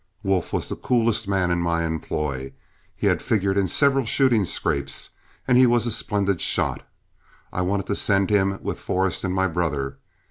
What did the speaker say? Wolf was the coolest man in my employ, had figured in several shooting scrapes, and as he was a splendid shot, I wanted to send him with Forrest and my brother.